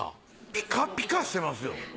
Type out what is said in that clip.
ピカピカしてますよ。